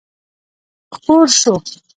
خپور شو.